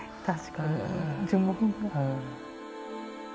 確かに。